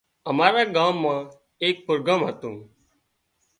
امارا ڳام مان ايڪ پروگرام هتو